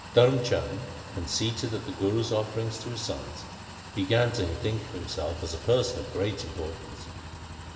Dharm Chand, con ceited at the Guru's offering to his sons, began to think himself a person of great importance.